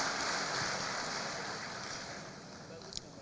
juga ini baru jadi ketua umum